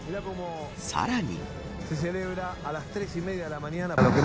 さらに。